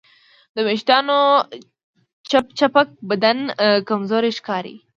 د وېښتیانو چپچپک بدن کمزوری ښکاري.